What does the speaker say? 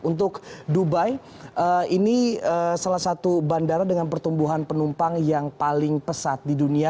untuk dubai ini salah satu bandara dengan pertumbuhan penumpang yang paling pesat di dunia